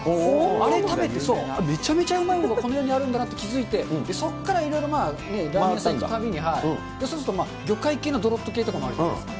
あれ、食べて、めちゃめちゃうまいのがこの世にあるんだなって気付いて、そこからいろいろラーメン屋さん行くたびに、そうすると魚介系のどろっと系とかもあるじゃないですか。